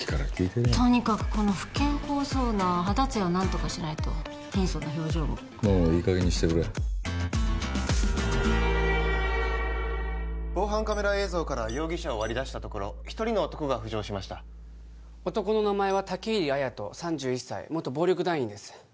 てりゃとにかくこの不健康そうな肌つやを何とかしないと貧相な表情ももういいかげんにしてくれ防犯カメラ映像から容疑者を割り出したところ一人の男が浮上しました男の名前は武入綾人３１歳元暴力団員です